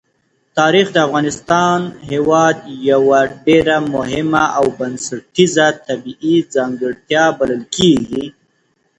تاریخ د افغانستان هېواد یوه ډېره مهمه او بنسټیزه طبیعي ځانګړتیا بلل کېږي.